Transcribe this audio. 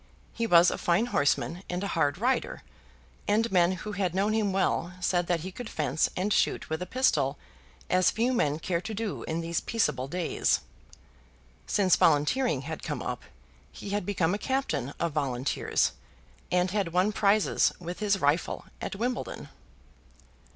He was a fine horseman and a hard rider; and men who had known him well said that he could fence and shoot with a pistol as few men care to do in these peaceable days. Since volunteering had come up, he had become a captain of Volunteers, and had won prizes with his rifle at Wimbledon.